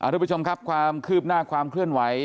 ทุกผู้ชมครับความคืบหน้าความเคลื่อนไหว